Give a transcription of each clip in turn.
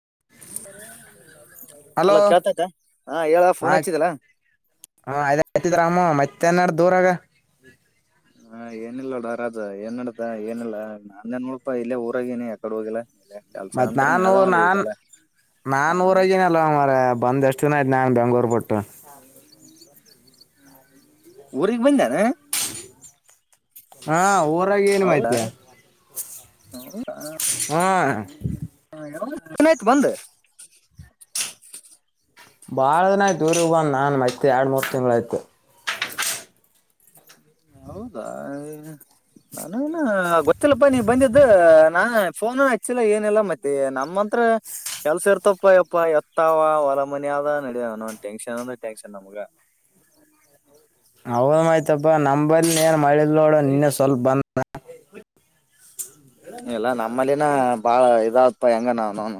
[unintelligible] Hello hello ಕೇಳುತೈತ್ಯಾ ಹಾ ಹೇಳ ಫೋನ್ ಹಚ್ಚಿದಲ್ ಹಾ ಆ ಆಯ್ತಿದ್ರಾಮ ಮತ್ತೆ ನಡೆದ ಊರಾಗ ಹಾ ಏನಿಲ್ಲ ಡಾರ ಏನ್ ನಡತ ಏನಿಲ್ಲಾ ನಾನ್ ನೋಡಪಾ ಇಲ್ಲೇ ಊರಾಗನಿ ಎಕಡೆ ಹೋಗಿಲ್ಲ ಇಲ್ಲೇ ಕೆಲ್ಸ ಮತ್ತತ್ ಅಂತ ನಾನು ನಡೆದವಲ್ಲ ನಾನ್ ಈಗಲ್ಲ ನಾ ಹಾ ಊರಗನಲ್ಲಂಗ ಮಾರಾಯಾ ಬಂದ ಎಷ್ಟು ಚಲೋಯ್ತು ನಾನು ಬೆಂಗಳೂರು ಬಿಟ್ಟು ಊರಿಗೆ ಬಂದನ್ ಹಾ ಊರಾಗ ಏನ್ ಹೌದಾ ಮತ್ಯ ಹೂ ಎನ್ ಆಯ್ತು ಬಂದ ಭಾಳ ದಿನ ಆಯ್ತು ಊರಿಗ್ ಬಂದ ನಾನು ಮತ್ತೆ ಎರಡು ಮೂರು ತಿಂಗಳಾಯ್ತು ಹೌದಾ ನಾನ ಗೊತ್ತಿಲ್ಲಪಾ ನೀ ಬಂದಿದ್ದ ನಾ ಫೋನ್ ಹಚ್ಚಿಲ್ಲ ಏನಿಲ್ಲ ಮತ್ತೆ ನಮ್ಮಂತ [unintelligible] ಕೆಲ್ಸ ಇರ್ತಪ್ಪಯಪ್ಪಾ ಎತ್ತಾವ ಹೊಲ ಮನ ಆದ ನಡ ಒಂದ ಟೆನ್ಷನ್ ಅಂದ್ರ ಟೆನ್ಷನ್ ನಮ್ಗ ಹೌದ್ಮಯ್ತಪ್ಪಾ ನಮ ಬಲ್ಲಿ ಏನ್ ಮಾಡಿಲ್ಲ ನೋಡ ನಿನ್ನೆ ಸ್ವಲ್ಪ ಬಂದ ಇಲ್ಲಾ ನಮ್ಮಲ್ಲಿ ನ ಬಾಳ ಇದಾವಪ್ಪ ಹೆಂಗ ನಾವ ನ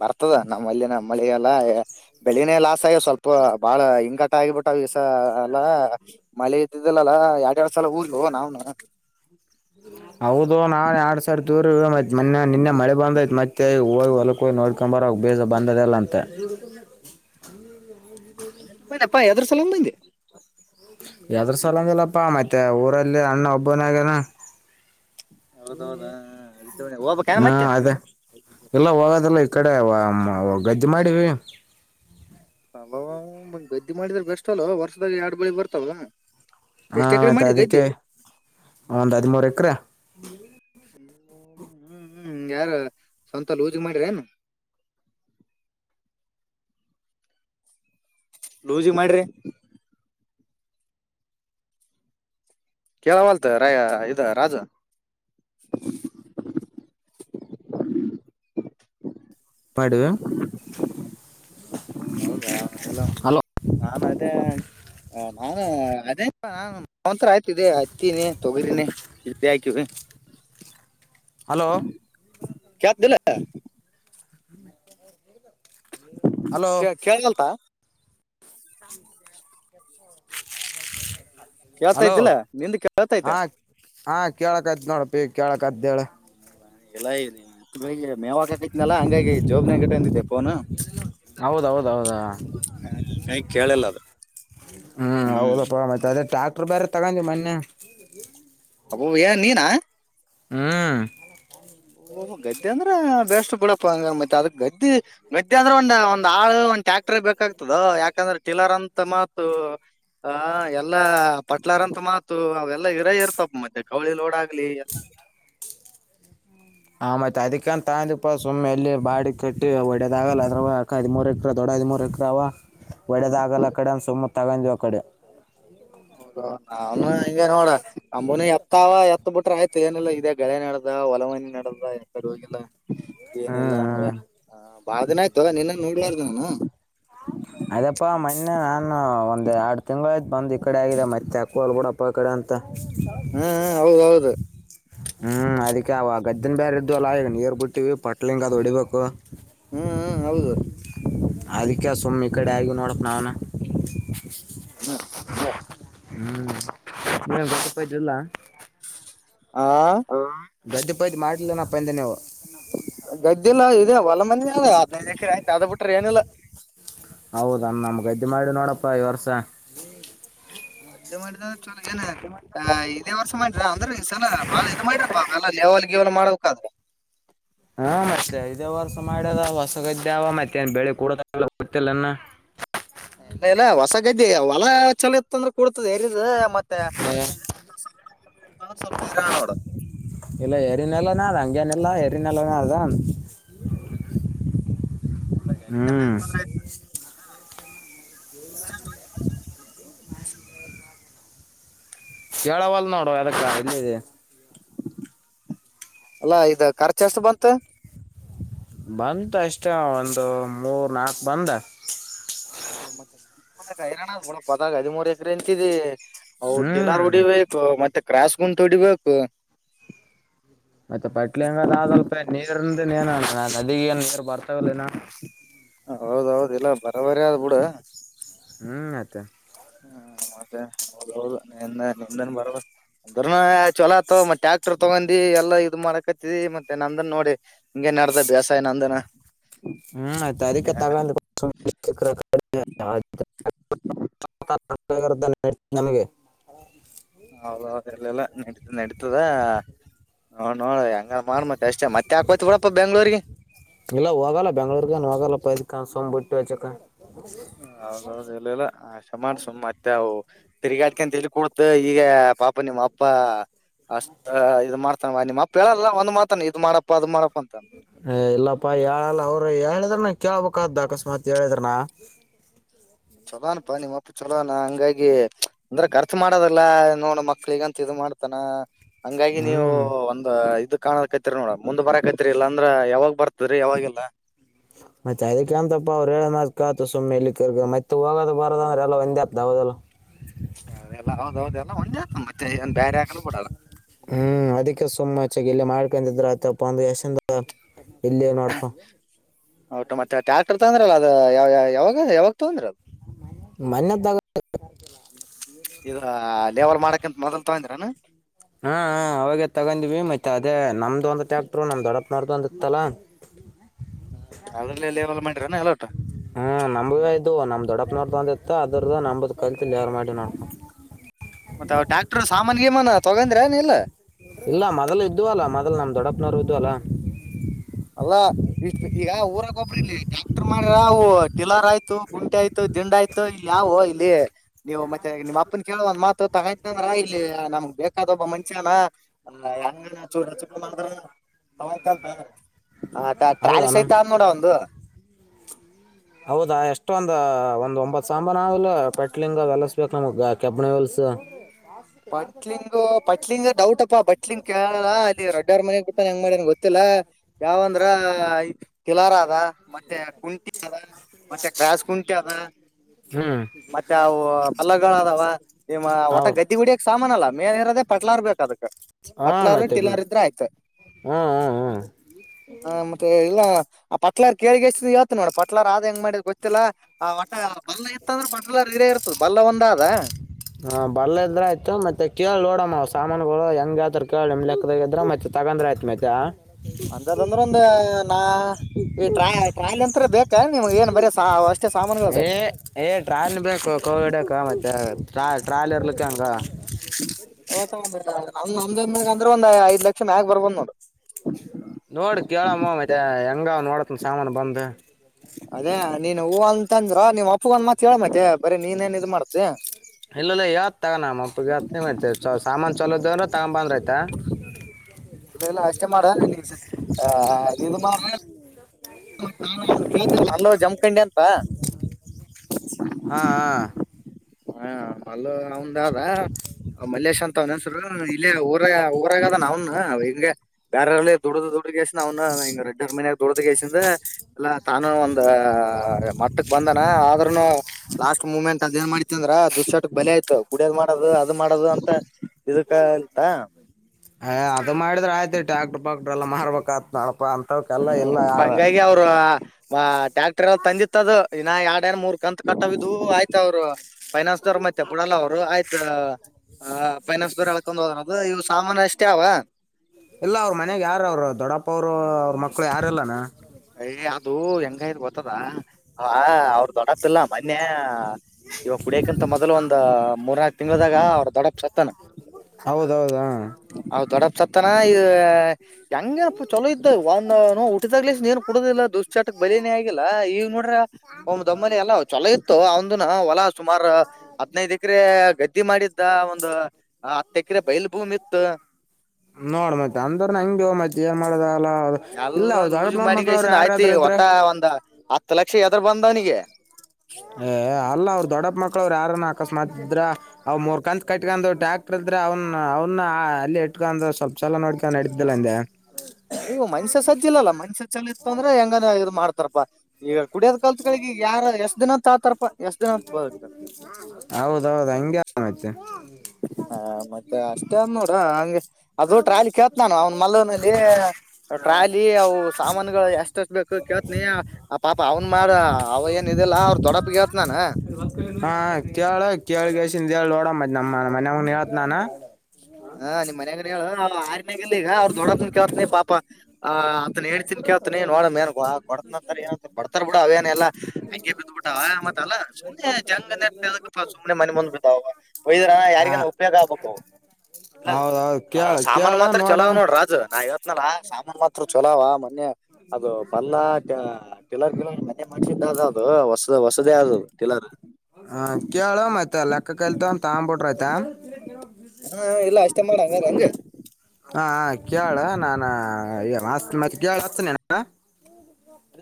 ಬರ್ತದ ನಮ್ಮ ಅಲ್ಲಿ ನಮ್ಮ ಮಳಿಗೆಲ್ಲಾ ಬೆಳನೇ ಲಾಸ್ ಆಗ ಸ್ವಲ್ಪ ಬಾಳ ಹಿಂಕಟ ಆಗಿಬಿಟ್ಟವ ಅಲ್ಲಾ ಮಳೆ ಇದ್ದಿದ್ದಲ್ಲಲ್ಲಾ ಎರಡ್ ಎರಡ್ ಸಲ ಊರ ಗೇ ನಾವ್ನು ಹೌದು ನಾನ್ ಎರಡ್ ಸಾವಿರ ದೂರ ಇರು ಮತ್ತೆ ಮನ್ನೆ ನಿನ್ನೆ ಮಳೆ ಬಂದತ್ತೈ ಮತ್ತೆ ಹೋಗಿ ಹೊಲ ಹೋಗಿ ನೋಡಿ ಕಂಬರಾಗಿ ಬೇಜ ಬಂದದಲ್ಲಂತ ಎನಪ್ಪ ಎದ್ರ ಸಲಂದ ಬಂದಿ. ಎದ್ರ ಸಲಂಗಿಲ್ಲಪ್ಪಾ ಮತ್ತೆ ಊರಲ್ಲಿ ಅಣ್ಣ ಒಬ್ಬನಾಗನ ಹೌದೌದಾ ಹೋಗಬೇಕ ಮತ್ತೆ ಎಲ್ಲ ಹೋಗೋದಲ್ಲ ಈ ಕಡೆ ಗದ್ದಿ ಮಾಡಿ ಅ ಗದ್ದಿ ಮಾಡಿದ್ರ ಬೆಸ್ಟ್ ಅಲ್ ವರ್ಷದಾಗ ಎರಡು ಬೆಳಿ ಬರ್ತಾವಲ್ಲ ಹಾ ಆತ ಅದಕ್ಕೆ ಒಂದ್ ಹದಿಮೂರು ಎಕ್ರೆ ಹ್ಮ್ ಹ್ಮ್ ಯಾರ ಸ್ವಂತ ಲೂಜ ಮಾಡಿರೇ ಏನು ಹ ಲೂಜಿಗ ಮಾಡ್ರಿ ಕೇಳವಲ್ತ ರಾ ಇದ ರಾಜು ಮಾಡಿವ ಹೌದಾಲ್ಲ ನಾನು ಅದೇ ನಾ ಹ್ಮ ಅದೇ ಆತ್ ಇದೆ ಹತ್ತಿನೆ, ತೊಗರಿನೆ [unintelligible] ಹಲೋ ಕೇಳುತ್ತದ ಇಲ್ [unintelligible] ಕೇಳ್ದಲ್ಂತಾ ಹ ಹಲೋ ಕೇಳ್ತೈತಿಲ್ಲ ನಿಂದ ಹ ಕೇಳ್ತೈತೆ ಹಾ ಕೇಳಕ್ಯತ್ ನೋಡಪಿ ಕೇಳಕ್ಳ ಎಲ್ಲ ಇರಿ ಅ ಹಗೆ ಮೇವಾಗಾಕೈತ್ನಲ್ಲಾ ಹಂಗಾಗಿ ಜೋಬ್ನ ಗಟ್ಟ ಅಂದಿದ್ದೆ ಫೋನ್ ಹ ಹೌದೌದೌದಾ ನೈ ಕೇಳಲ್ಲ ಅದು ಹ್ಮ್ ಹೌದ ಪ್ರ ಆಯ್ತ ಅದೇ ಟ್ರ್ಯಾಕ್ಟರ್ ಬೇರೆ ತಗೊಂಡಿವ ಮೊನ್ನೆ ಅಪ್ಪ ಏನ್ ನೀನಾ ಹ್ಮ್ ಗದ್ದೆ ಅಂದ್ರ ಬೇಸ್ಟ್ ಬಿಡಪ್ಪಂಗ ಮತ್ತೆ ಅದ ಗದ್ದಿ ಗದ್ದೆ ಅಂದ್ರ ಒಂದ ಒಂದ್ ಆಳ ಟ್ಯಾಕ್ಟರ್ ಬೇಕಾಗ್ತದ ಯಾಕಂದ್ರೆಟಲರ್ ಅಂತ ಮತ್ ಹ ಎಲ್ಲಾ ಪಟ್ಲಾರಂತ ಮಾತು ಅವೆಲ್ಲಾ ಇರ ಇರ್ತಪ್ಪ ಮದೆ ಕವಳಿ ಲೊಡ ಆಗ್ಲಿ ಎಲ್ಲ ಆಗ್ಲಿ [unintelligible] ಆ್ಯ ಅದಕ್ಕಂತ ತಂದಪ್ಪ ಸುಮ್ಮ್ ಎಲ್ಲಿ ಬಾಡಿ ಕಟ್ಟಿ ಹೊಡದಾಗಲ್ಲ ಅದ್ರ ಹದಿಮೂರು ಎಕ್ರ ದೊಡ ಐದಿಮೂರು ಎಕ್ರಾವ ಒಡೆದ ಆಾಗಲ್ಲ ಅ ಕಡೆ ಅಂದ ಸುಮ್ಮ ತಗೊಂಡವು ಆ ಕಡೆ ನಾವ ಹಿಂಗಗೆ ನೋಡ ಅಂಬನ ಎತ್ತಾವ ಎ ಹ ಬಿಟ್ರ ಆಯ್ತು ಏನೆಲ್ಲ ಇದೆ ಳೆ ನಡೆದ ಹೊಲಮನಿ ನಡೆ್ದ ಎ ಕಡೆ ಹೋಗಲ್ಲ ಏನಿಲ್ಲ ಹ್ಮ್ ಬಾಳ ದಿನ ಆಯ್ತುದ ನಿನ್ನ ನೋಡ್ಬಾರ್ದು ನಾನು ಅಯದಪ್ಪಾ ಮೊನ್ನೆ ನಾನು ಒಂದ್ ಎರಡು ತಿಂಗಳಾಯತತ್ ಬಂದ್ ಈ ಕಡೆ ಆಗಿದೆ ಮತ್ತೆ ಅಕ್ಕುಲ್ ಕೂಡಪ್ಪ ಕ ಕಡೆಂತ ಹ್ಮ್ ಹೌದ ಹೌದು ಹ್ಮ್ ಅದಕ್ಕೆ ಅವ ಗದನ್ ಬೇಾರ ಇದ್ದು ಅಲ್ಲಾ ಈಗ ನೀರ್ ಬಿಟ್ಟಿವ ಪಟ್ಲಿಂಗ ಅದ ಹೊಡಿಬೇಕು ಹ್ಮ್ ಹ್ಮ್ ಹೌದು ಅದಕ್ಕೆ ಸುಮ್ಮನೆ ಈ ಕಡೆ ಆಗ ನೋಡಪ್ಪ ನಾವ್ನ ಹ್ಮ್ ಇ ಗಡಪೇಟಿಲ್ಲ ಆ ಗದ್ದಡಿ ಪಯತಿ ಮಾಟಲ ನ ಪಂದ ನೀವು ಗದ್ದೆಲ್ಲ ಇದ ಹೊಲ ಮಂದ ಅಲ್ಲ ಹದನೈದು ಎಕ ಆಯ್ತು ಆದ ಬಿಟ್ರ ಏನಿಲ್ಲ ಹೌದ ನಮ್ ಗದ್ದೆ ಮಾಡಿ ನೋಡಪ್ಪಾ ಈ ವರ್ಷ ಗಡ್ ಮಾಡಿದ್ರ ಚಲೋ ಏನ್ ಇದೇ ವರ್ಷ ಮಾಡಿರ ಅಂದ್ರೆ ಈ ಸಲ ಬಾಳ ಇದು್ ಮಾಡಿರಪ್ಪಾ ಅವೆಲ್ಲ ಅವೀವನ ಮಾಡಬೇಕಾದ್ರೆ ಹ ಹಾ ಮತ್ತೆ ಇದೇ ವರ್ಷ ಮಾಡ್ಯದ ಹೊಸಗದ್ದೆ ಮತ್ತೆನ್ ಬೆಳಿ ಕೂಡ ಗೊತ್ತಿಲ್ಲನ್ನ ಹ ಇಲ್ಲ ಇಲ್ಲ ಹೊಸ ಗದ್ದೆ ಹೊಲ ಚಲ ಇತ್ತ ಅಂದ್ರೆ ಕೂಡ ಎರಿದ ಮತ್ತೆ ಸ್ವಲ್ಪ ಹರ ನೋಡು ಇಲ್ಲ ಯಾರನೆಲ್ಲ ನೆಲ್ಲ ಹೆರಿನಲ್ಲವ ಅದನ್ ಎರಿನೆಲ್ಲ ಹ್ಮ್ ಜ ಕವಲ್ಲ ನೋಡುವ ಅದಕ್ಕ ಇಲ್ಲದೆ ಅಲ್ಲಾ ಇ ಖರ್ಚಸ್ ಬಂತ ಬಂದ ಅಷ್ಟ ಒಂದು ಮೂರ್ ನಾಲ್ಕು ಬಂದ ಓ ಮತ್ತೆೈರಾಣ ಪತ್ತಾಗ ಹದಿಮೂರ್ ಎಕರೆ ಎಂತಿದಿ ಹ ಹ್ಮ್ ಟಿಲರ್ ಹೊಡಿಬೇಕು ಮತ್ತೆ ಕ್ರಾಸ್್ ಗುಂಟು ಹೊಡಿಬೇಕು ಮತ್ತೆ ಪಟ್ಲಿ ಹಂಗದ ಅ ಅಲ್ಪ ನೀರ್ಂದ ಏನು ನದಿ ಏನ್ ನೀ ಬಾರ್ತಾಗಲ್ಲನಾ ಹೌದೌದು ಇಲ್ಲ ಬರ ಬರ ಆದ್ ಬಿುಡ ಹ್ಮ್ ಆಯ್ತಾ ಹ್ಮ ಮತ್ತೆ ಹೌದ ಹೌದು ನಿ ನಿಂದ ಬರರ್ ಚಲೋ ಆತ್ತ ಮತ್ತೆ ಟ್ಯಾಕ್ಟರ್ ತಗೊಂಡಿ ಎಲ್ಲಾ ಇದ್ ಮಾಡಕತ್ತಿದಿ ಮತ್ತೆ ನಂದನ್ ನೋಡಿ ಹಿಂಗಗೆ ನಡ್ದಭ್ಯಾಸಾಯ ನಂದನ ಹ್ಮ್ ತಾರೀಕೆ ತಗ ನನಗೆ ಹೌದೌದು ಎಲ್ಲೆಲ್ಲ ನಡತ ನಡತದ ನ ನೋಡ ಯ ಹಂಗ ಮಾಡ್ ಮತ್ತ ಅಷ್ಟೇ ಮತ್ತೆ ಯಾಕ್ ಹೋಗ್ತೀ ಬಿಡಪ್ಪ ಬೆಂಗ್ಳೂರ್ರಿಗೆ ಕ ಸಮಂಬರ್ಟ್ಟು ಚಕ್ಕ ಹೌದೌ ಇಲ್ಲ ಅಷ್ಟು ಮಾಡಸುಮ್ ಮತ್ತೆ ಅವು ತಿರುಗಾಳಿಕೆ ಅಂತ ಹೇಳಿ ಕಡ ಈಗ ಪಾಪ ನಿಮ್ಮ ಅಪ್ಪ ಅಪ್ಪ ಅಷ್ಟ ಇದ್ ಮಾಡ್ತಾನ ನಿಮ್ಮ ಅಪ್ಪ ಹೇಳಲ್ಲ ಒಂದ್ ಮಾತಾನ ಇದ್ ಮಾಡಪ್ಪ ಅದ್ ಮಾಡಪ್ಪ ಅಂತ ಹ ಇಲ್ಲಪ್ಪಾ ಯಾವಲ್ಲ ಅವ್ರ ಯ ಹೇಳಿದ್ರನ ಕೇಳಬೇಕಾಗುತ್ತೆ ಅಕಸ್ಮಾತ್ ಹೇಳಿದ್ರನಾ ಚಲೋನಪ್ಪಾ ನಿಮ್ಮಪ್ಪ ಚೊಲೋನ ಹಂಗಾಗಿ ಅಂದ್ರೆ ಖರ್ಚ್ ಮಾಡದಲ್ಲಾ ನೋಡ ಮಕ್ಳ ಈಗಂತ ಇದ ಮಾಡ್ತಾನ ಹಂಗಾಗಿ ನೀವು ಹ್ಮ್ ಒಂದು ಇದು ಕಾಣದ ಕೈತಿರಿ ನೋಡ ಮುಂದ್ ಬರ ಕೈತ್ತರಿ ಇಲ್ಲ ಅಂದ್ರ ಯಾವಾಗ ಬರ್ತದರಿ ಯಾವಾಗಲ್ಲಾ ಮತ್ತೆ ಅದಕ್ಕೆ ಅಂತಪ್ಪ ಅವ್ರುಏ ಮ ಕತು ಸುಮ್ಮನೆ ಇಲ್ಲಿ ಕ ಮತ್ತತ್ ಹೋಗದ ಬರದ ಅಂದ್ರ ಎಲ್ಲ ಒಂದ ಬದಲ ಹದೆಲ್ಲ ಹೌದ್ೌದು ಎಲ್ಲಾ ಒಂ್ ಆತ ಮತ್ತೆ ಏನ್ ಬೇರೆ ಆಗ್ಲೂ ಬಿಡಲ್ಲ ಹೂ ಅದಕ್ಕೆ ಸುಮ್ಮಚ್ಚಾಗಿ ಇಲ್ಲ ಮಾಡ್ಕಿದ್ರ ಆತಪ್ಪ ಒಂದ ಇಲ್ಲಿ ನೋಡಪ್ಪ ಊಟ ಮತ್ತೆ ಟ್ಯಾಕ್ಟರ್ ತಂದ್ರಲ್ಲ ಅದ ಯಾವ ಯಾವಾಗ ಯಾವಾಗ ತಗೊಂಡ್ರಿ ಅಂದ್ರ ಅದು ಮನ್ನೆತಗೊಂಡ್ರು ಇ ಲೇವಲ್ ಮಾಡಕಂತ ಮೊದಲ್ ತಗಂದಿರನಾ ಹಾ ಅವಾಗೇ ತಗೊಂಡಿವಿ ಮತ್ ಅದೇ ನಮ್ದು ಒಂದು ಟ್ಯಾಕ್ಟರು ನಮ್ ದೊಡಪನೋ್ದು ಒಂದಿತ್ತಲಾ [inaudible] ಹೂ ಅದ್ರಲ್ಲಲ್ಲಿವೆಲ್ಲ ಮಾಡಿರಾನ ಎಲ್ಲೋಟ ಹ್ಞೂ ನಮಗೂ ಇದು ನಮ್ ದೊಡನೋಂದ ಇತ್ತು ಅದ ನಮ್ದು ಮತ್ತ ಟ್ಯಾಕ್ಟರ್ ಸಾಮಾನಗ ಮಾನ ತಗೊಂಡ್ರ ನೀಲ್ಲ ಇಲ್ಲ ಮೊದಲ್ ಇದು ಅಲ್ಲಾ ಮೊದಲ್ ನಮ್ ದೊಡ್ಡಪ್ಪನವ್ ಇದು ಅಲ್ಲ ಅಲ್ಲ ಇಷ್ಟ ಈಗ ಊರಾಗ ಒಬ್ರಿಲ್ಲಿ ಟ್ರ್ಯಾಕ್ಟರ್ ಮಾಡ್ರ ಅವು ಟಿಲರ್ ಆಯ್ತು ಗಂಟೆ ಆಯ್ತು ದಿಂಡ ಆಯ್ತು ಇಲ್ಲಿ ಯಾವು ಇಲ್ಲಿ ನೀವು ಮತ್ತೆ ನಿಮ್ಮ ಅಪ್ಪನ್ ಕೇಳ ಒಂದ್ ಮಾತು ತಗೊಂತ ಅಂದ್ರ ಇಲ್ಲಿ ನಮ್ ಬೇಕಾದ ಒಬ್ಬ ಮನ್ಷ್ಯನಾ ಹೆಂಗನ ಚೂಡ ಚೂಡ ಮಾಡ್ರ ತಯ್ತಂತ ಆ ಟ್ರಾವಲ್ಸ್ ಹೌದಾನ ಆಐ್ತ ನೋಡ ಒಂದು ಹೌದಾ ಎಷ್ಟೊ ಒಂದ್ ಒಂದ್ ಒಂಬತ್ ಸಾಂಬಾನು ಆಲ್ಲ ಪೆಟ್ಲಿಂಗ್ ಎಲಸ್ಬೇಕಕ್ ನಮಗ್ ಕೆಬ್ಬಣಿಲ್ಸ ಸ ಪಟ್ಲಿಂಗ ಪಟ್ಲಿಂಗ ಡೌಟ್ಪ್ಪ ಬಟ್ಲಿಂಗ ಕೇಳಲ್ಲ ಅಲ್ಲಿ ರೊಡ್ಡರ್ ಮನೆ ಹೆಂಗ ಮಾಡಂ ಗೊತ್ತಿಲ್ಲಾ ಯಾವಂದ್ರ ಟಿಲಾರ ಅದ ಮತ್ತೆ ಕುಂಟಿ ಅದ ಮತ್ತೆ ಕ್ರಸ್ ಕುಂಟಿ ಅದ ಹ್ಞೂ ಮತ್ತೆ ಅವು ಬಲ್ಲಗಳ ಅದಾವ ನಿಮ್ಮ ಒಟ ಹೌದು ಗದ್ದಿ ಹಿಡಿತಕ್ಕೆ ಸಾಮಾನ ಅಲ್ಲ ಮೇಲೆ ಇರದ ಪಟ್ಲಾರ್ ಬೇಕು ಅದು ಹಾ ಪಟ್ಲಾರ ಮತ್ತೆ ಹ್ಮ್ ಟಿಲಾರ ಇದ್ರೆ ಆಯ್ತ ಹ್ಮ್ ಹ್ಮ್ ಹ ಮತ್ತೆ ಇಲ್ಲ ಆ ಪಟ್ಲಾರ್ ಕೇಳಗೆ ಎಷ್ಟವತ್ ನೋಡ ಪಟ್ಲಾರ್ ಆದ್ ಹೆಂಗ ಮಾಡಿದ್ ಗೊತ್ತಿಲ್ಲ ಆ ಒಟ ಬಲ್ಲ ಇತ್ತ ಅಂದ್ರೆ ಬಟಲ ಹೀರೇ ಇರ್ತದ ಬಲ್ಲ ಒಂದ ಆದ ಹ ಬರ್ಲ ಇದ್ರ ಆಯ್ತು ಮತ್ತೆ ಕೇಳಿ ನೋಡಮ್ಮ ಸಾಮಾನುಗಳು ಹೆಂಗತ್ರ ಕೇಳ ನಿಮ್ ಲೆಕ್ಕದಾಗಿದ್ರ ಮತ್ತೆ ತಗಂದ್ರ ಆಯತು ಮತ್ಯಾ ಅಂತದಂದ್ರ ಒಂದ ನಾ ಈ ಟ್ರಾ ಟ್ರಾಲಿ ಅಂತ ಬೇಕ ನಿಮ್ಗೆ ಏನ್ ಬರ ಸಾ ಅಷ್ಟ ಏ ಏ ಟ್ರಾಲಿ ಬೇಕು ಕೋವಿಡ್ಕ್ಕ ಮತ್ತೆಾ ಟ್ರಾಲ ಇರ್ಲಿಕ್ಕ ಹಂಗ ಒ ನಮ ನಮ್ದ್ಯಾಗ ಅಂದ್ರೆ ಒಂದ್ ಐದ್ ಲಕ್ಷ ಮ್ಯಾಗ ಬರ್ಬೋದ್ ನೋಡು ನೋಡ ಕೇಳಮ್ಮ ಮತ್ತ ಹೆಂಗ ನೋಡತ್ನ ಸಾಮಾನು ಬಂದ ಅದೇ ನೀನ್ ಹೂವು ಅಂತಂದ್ರ ನೀವ್ ಅಪ್ಪಗಂದ ಮಾತ್ ಹೇಳ ಮತ್ತ ಬರೀ ನೀನ್ೇನ್ ಇದ್ ಮಾಡ್ತಿ ಇಲ್ಲಲ್ಲ ಹೇಳ್ ತಗೋಣಮ್ಮ ಅಪ್ಪ ಯ ಮಾಡ್ ಸಾಮಾನ್ ಚಲೋದವ್ರ ತಗೊ ಬಂದ್ರ ಆಯ್ತ ಹ ಇ ಎಲ್ಲ ಅಷ್ಟೇ ಮಾಡ ನಿ ಇದು ಮಾ ಅಂದ ಜಂ ಪಂಡಿ ಅಂತ ಹಾ ಹಾ ಅಲ್ಲ ನ್ದ ಮಲ್ಲೇಶ್ ಅಂತ ವನ್ಸರು ಇಲ್ಲಿ ಊರ ಊರಾಗದ ನ್ನ ಹಿಂಗೆ ಬೇರೆಲ್ಲಿ ದುಡ್ದ ದುಡಗಷ್ಟ ನ್ನ ಹ ಟರ್ ದುಡ್ದಸಿಂದ ಎಲ್ಲ ತಾನು ಒಂದ ಮಟ್ಟಕ್ ಬಂದನ ಆದ್ರೂನು ಲಾಸ್ಟ್ ಮೂಮೆಂಟ್ ಅದ ಏನ್ ಮಾಡ್ತಿ ಅಂದ್ರ ದುಶ್ಾಟಕ್ ಬಲೆ ಆಯ್ತು ಕುಡಿಯದ್ ಮಾಡೋದು ಅದು ಮಾಡೋದು ಅಂತ ಇದಕ್ಕ ಅಂತ ಹ ಅದು ಮಾಡಿದ್ರೆ ಆಯ್ತು ಡಾಕ್ರ್ ಪಾಕ್ ಎಲ್ಲ ಮಾರ್ಬೇಕಕ್ತ್ ನಡಪ ಅಂತ ಹ್ಮ್ ಹಂಗಾಗಿ ಅವರು ಾ ಟ್ಯಾಕ್ಟರ್ ಎಲ್ಲ ತಂದಿತ್ತದು ಇನ್ನ ಎರಡ ಾರ ಮೂರ್ ಕಂತತ್ ಕಟ್ಟಿದು ಆಯ್ತ ಅವ್ರು ಫೈನಾನ್ಸ್ ದವ್ರ ಮತ್ತೆ ಪಡಲ್ಲ ಅವ್ರು ಆಯ್ತಾ ಹ ಫೈನಾನ್ಸ್ ದವರು ಹಳ್ಕೊಂಡ್ ಹೋದನದು ಇವು ಸಾಮಾನು ಅಷ್ಟೇ ಅಲ್ಲಾ ಇಲ್ಲ ಅವ್ರ ಮನಯಾಗ ಯಾರ ಅವರು ದೊಡ್ಡಪ್ಪ ಅವ್ರು ಅವ್ರ ಮಕ್ಕಳು ಯಾರಲ್ಲಾನ ಯ ಅದು ಹೆಂಗಯತ್ ಗೊತ್ತದ ಅವ್ರ ದೊಡತ್ತಲ್ಲ ಮೊನ್ನೆ ಇವಾಗ ಕುಡಿಯಕಿಂತ ಮೊದ್ಲು ಒಂದ್ ಮೂರ್ನಾಾಕಕ್ ತಿಂಗಳದಾಗ ಅವ್ರ ದೊಡಪ್ ಸತ್ತಾನ ಹೌದೌದಾ ತನ ಹೆಂಗಗೆಪ್ಪ ಚಲೋ ಇದ್ದ ಒಂದ ನೋ ಉಟ್ಟಿದಾಗ್ ಕುಡುದಿಲ್ಲ ದುಶ್ಚಟಕ್ ಬಲನೇ ಆಗಿಲ್ಲ ಈಗ ನೋಡ್ರ ಅವ್ ದಮ್ಮನಿ ಎಲ್ಲ ಚೊಲೋ ಇತ್ತು ಅವಂದನ ಹೊಲ ಸುಮಾರು ಹದಿನೈದು ಎಕರೆ ಗದ್ದಿ ಮಾಡಿದ್ದ ಒಂದು ಹತ್ತೆಕರೆೆ ಬೈಲ್ ಭೂಮಿ ಇತ್ತು ನೋಡ್ ಮತ್ ಅಂದ್ರ ಹಂಗ ಮತ್ತತ್ ಏನ್ ಮಾಡದ ಎಲ್ಲ ಲೂಜ ಮಾಡಿಗೈಸನ್ ಆಯ್ತಿ ಯಾರಾದ್ರ ಇದ್ರ ಒಟ್ಟ ಒಂದ ಹತ್ತು ಲಕ್ಷ ಎದ್ರ ಬಂದವನಿಗೆ ಏ ಅಲ್ಲ ಅವ್ರ ದೊಡ್ಡಪ್ಪ ಮಕ್ಕಳು ಆರ ಅಕಸ್ಮಾತ್ ಇದ್ರ ಅವ್ರ್ ಕಂತ ಕಟ್ಕೊಂಡ ಟ್ಯಾಕ್ಟರ್ ಅ್ರ ಅವ ಅವನ ಅಲ್ಲಿ ಸ ಅಲ್ಲಿವು ಮನುಷ್ಯ ಸಜ್ಜಿಲ್ಲಲ್ಲ ಮನುಷ್ಯ ಚಲ ಇತ್ತು ಅಂದ್ರೆ ಹೆಂಗಾನ ಇ್ ಮಾಡ್ತಾರಪ್ಪಾ ಈಗ ಕುಡಿಯದ್ ಕಾಲತ್ಗಳಿಗೆ ಯಾರ ಎಷ್ಟ ದಿನ ತಾತಾರಪಾ ಎಷ್ಟ್ ದಿನ ಅಂತ ಬದುಕ್ತಾರ ಹೌದೌದು ಹಂಗಗೆ ಆರ್ತೆ ಹ ಮತ್ತೆ ಅಷ್ಟೇ ಅದ ನೋಡ ಹಂಗಗೆ ಅದು ಟ್ರಾಲಿ ಕೇತ್ ನಾನು ಅವ್ನ್ ಮಲ್ಲೂನಲ್ಲಿ ಟ್ರಾಲಿ ಅವು ಸಾಮಾನುಗಳು ಎಷ್ಟಷ್ಟ ಬೇಕು ಕೇಳ್ತ್ನಿ ಆ ಪಾಪ ಅವನ್ ಮಾಡ ಅವ ಏನ್ ಇದಿಲ್ಲಾ ಅವ್ರ ದೊಡ್ಡಪಗತ್ ನಾನ ಹಾ ಕೇಳ ಕೇಳಗಸ ಹೇಳ ನೋಡ ಮದ್ ನಮ್ಮ ಮನ್ನ್ ಹೇಳತ್ ನಾನ ಹಾ ನಿಮ್ ಮನ್ಯಾಗ್ರ ಹೇಳ ಆರನಾಗಲ್ಲ ಈಗ ಅವ್ರ ದೊಡ್ಡಪ್ಪ ಕೆಲ್ಥೇನ್ ಪಾಪ ಆ್ ಅನ್ ಹೇತಿ ಕಳ್ತ ನೋಡ ಕೊನಂತ ಏ ಕೊಡ್ತಾರ ಬಿಡ ಅವೇನೆಲ್ಲ ಅಐಗೆ ಬಿದ್ದ್ಬಟ್ಟ ಆಯಾಮ ಅಲ್ಲ ಸು್ನೆ ಜಂಗ ನೆ ಸುಮ್ನೆ ಮನೆ ಮುಂದ್ ಬಾವಾಗ ಒಯದರ ಹಾ ಯಾರಿಗ ಉಪಯೋಗ ಪ್ಪ ಇಲ್ಲ ಹೌದೌದು ಕೇಳ ಸಾಮಾನ್ ಕೇಳ ಮಾತ್ರ ಚಲಾವ್ ನೋಡ ನೋಡ್ರ ರಾಜು ನಾ ಇವತ್ನಲ್ಲ ಸಾಮಾನನ್ ಮಾತ್ರ ಚಲಾವ್ ಮ ಮ ಅದು ಬಲ್ಲ ಟಲರ್ ಕಲರ್ ಮನೆ ಮಾಡ್ಸಿದ್ದ ಹ ಹೊಸದ ಹೊಸದೇ ಆದದು ಕಂಬ ಹ ಕೇಳ ಆಯತ ಲೆಕ್ಕ ಕಾಯಲ್ತ್ ಒ ತಗಬಿಟ್ರಯ್ತ ಹಾ ಇಲ್ಲ ಅಷ್ಟೇ ಮಾಡ ಹಂಗಾರ ಹಂಗ ಹಾ ಕೇಳ ನಾನ ಮತ್ತ ಕೇಳ ಹತ್ತನೇನ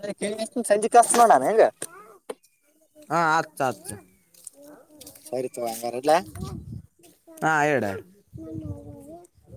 ಅ ಕಳಷ್ಟ ಸಂಜಿಷ್ಟ ನ ನಾನ ಹೆಂಗ ಹಾ ಅತಾ ಅಾ ಹ ಸರಿ ತವಾಂಗಾರಲ್ಲ ನಾನು ನೋೆ